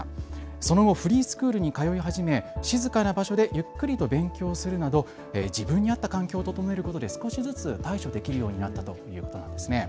その後、フリースクールに通い始め静かな場所でゆっくりと勉強するなど自分に合った環境を整えることで少しずつ対処できるようになったということです。